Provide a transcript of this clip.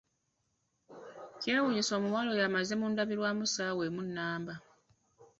Kyewuunyisa omuwala oyo amaze mu ndabirwamu essaawa emu nnamba.